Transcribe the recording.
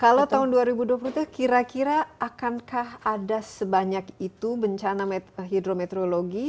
kalau tahun dua ribu dua puluh tiga kira kira akankah ada sebanyak itu bencana hidrometeorologi